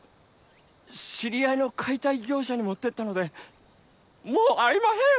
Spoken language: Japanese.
知り合いの解体業者に持ってったのでもうありまふぇん！